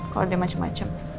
kalau ada macem macem